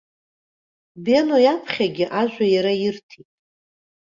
Бено иаԥхьагьы ажәа иара ирҭеит.